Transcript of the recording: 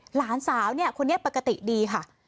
หลานสาวคนนี้ปกติดีค่ะ